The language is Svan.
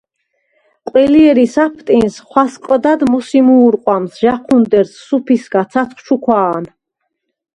ყველჲერი საფტინს ხვასყჷდად მუსი მუ̄რყვამს ჟაჴუნდერს, სუფისა, ცაცხვ ჩუქვა̄ნ.